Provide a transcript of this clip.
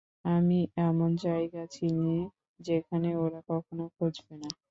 আমি এমন জায়গা চিনি, যেখানে ওরা কখনো খুঁজবে না।